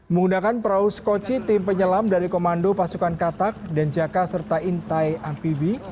menggunakan perahu skoci tim penyelam dari komando pasukan katak dan jaka serta intai amfibi